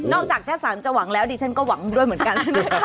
จากแค่สารจะหวังแล้วดิฉันก็หวังด้วยเหมือนกัน